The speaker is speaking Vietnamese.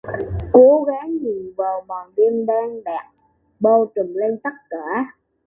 Cố gắng nhìn vào màn đêm đen đặc, bao trùm lên tất cả